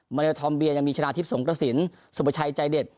เลทอมเบียยังมีชนะทิพย์สงกระสินสุประชัยใจเด็ด